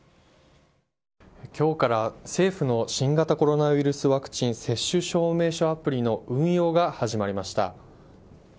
きょうから政府の新型コロナウイルスワクチン接種証明書アプリの運用が始まりました。